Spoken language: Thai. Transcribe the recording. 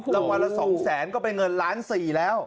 รางวัลละ๒๐๐๐๐๐ก็เป็นเงิน๑๔๐๐๐๐๐บาทแล้ว